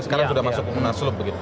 sekarang sudah masuk ke munasulup